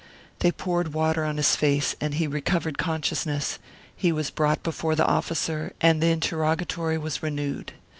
They poured water on his face and he recovered con sciousness; he was brought before the officer and the interrogatory was renewed.